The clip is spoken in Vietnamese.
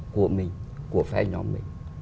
của mình của phé nhóm mình